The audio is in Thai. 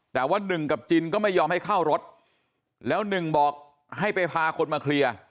แต่ว่าหนึ่งกับจินก็ไม่ยอมให้เข้ารถแล้วหนึ่งบอกให้ไปพาคนมาเคลียร์